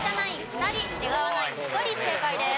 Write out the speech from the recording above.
２人出川ナイン１人正解です。